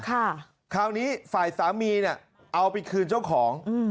คราวนี้ฝ่ายสามีเนี่ยเอาไปคืนเจ้าของอืม